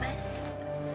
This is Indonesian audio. kamu estudi mah